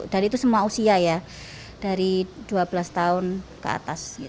dan itu semua usia ya dari dua belas tahun ke atas